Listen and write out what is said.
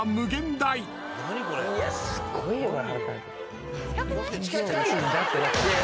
いやすごいよこれ。